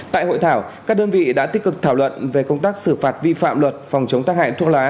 tại hội thảo các đơn vị đã tích cực thảo luận về công tác xử phạt vi phạm luật phòng chống tác hại thuốc lá